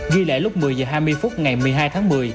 ghi lễ lúc một mươi h hai mươi phút ngày một mươi hai tháng một mươi